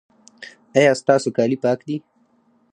ایا ستاسو کالي پاک دي؟